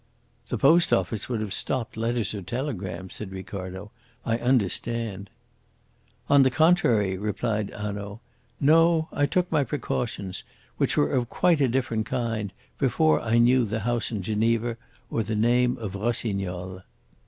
"The Post Office would have stopped letters or telegrams," said Ricardo. "I understand." "On the contrary," replied Hanaud. "No, I took my precautions, which were of quite a different kind, before I knew the house in Geneva or the name of Rossignol.